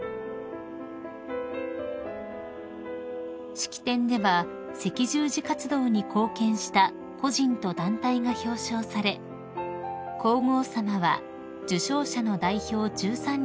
［式典では赤十字活動に貢献した個人と団体が表彰され皇后さまは受章者の代表１３人に自ら賞状などを手渡されました］